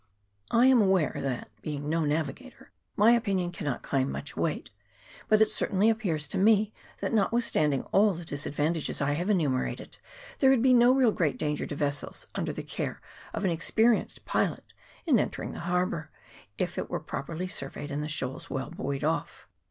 I am aware that, being no navigator, my opinion cannot claim much weight, but it certainly appears to me that, notwith CHAP. XIX.] KAIPARA HARBOUR. 265 standing all the disadvantages I have enumerated, there would be no real danger to vessels under the care of an experienced pilot in entering the har bour, if it were properly surveyed and the shoals well buoyed off.